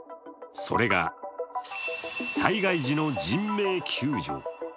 それが災害時の人命救助。